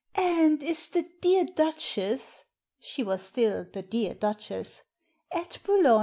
"And is the dear Duchess" — she was still "the dear Duchess" — "at Boulogne?"